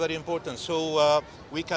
jadi kita bisa bergantung ke